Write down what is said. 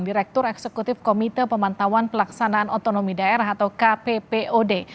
direktur eksekutif komite pemantauan pelaksanaan otonomi daerah atau kppod